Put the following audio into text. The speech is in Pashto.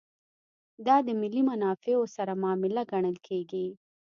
دا د ملي منافعو سره معامله ګڼل کېږي.